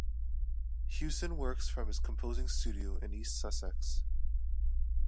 Hewson works from his composing studio in East Sussex.